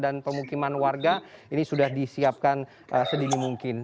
dan pemukiman warga ini sudah disiapkan sedini mungkin